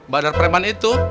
badar preman itu